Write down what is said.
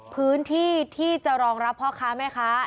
พื้นที่ที่จะรองรับพ่อค้าแม่ค้า